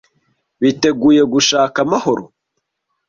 Biteguye gushaka amahoro?